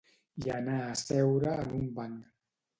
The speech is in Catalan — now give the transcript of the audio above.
I anà a seure en un banc.